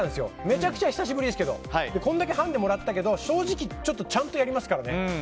めちゃくちゃ久しぶりですけどこれだけハンデをもらったけど正直、ちゃんとやりますからね。